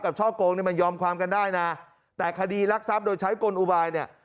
ช่อโกงนี่มันยอมความกันได้นะแต่คดีรักทรัพย์โดยใช้กลอุบายเนี่ย